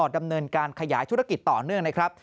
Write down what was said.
ดำเนินการขยายธุรกิจต่อเนื่องนะครับ